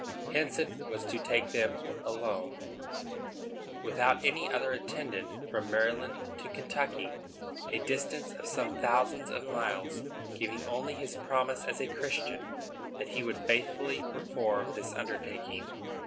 Henson was to take them alone, without any other attendant, from Maryland to Kentucky, a distance of some thousands of miles, giving only his promise as a Christian that he would faithfully perform this undertaking.